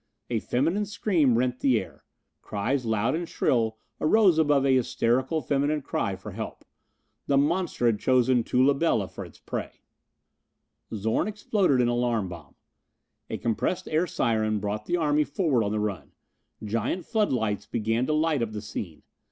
A feminine scream rent the air. Cries loud and shrill arose above a hysterical feminine cry for help. The monster had chosen Tula Bela for its prey! Zorn exploded an alarm bomb. A compressed air siren brought the army forward on the run. Giant floodlights began to light up the scene.